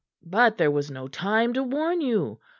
But there was no time to warn you.